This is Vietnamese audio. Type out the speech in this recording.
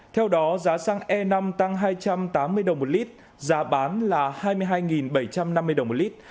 theo đó giá xăng e năm tăng hai trăm tám mươi đồng một lít giá bán là hai mươi hai bảy trăm năm mươi đồng một lít